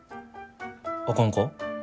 あかんか？